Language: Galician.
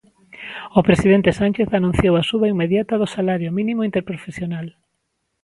O presidente Sánchez anunciou a suba inmediata do salario mínimo interprofesional.